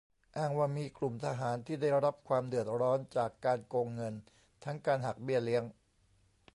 อ้างว่ามีกลุ่มทหารที่ได้รับความเดือดร้อนจากการโกงเงิน ทั้งการหักเบี้ยเลี้ยง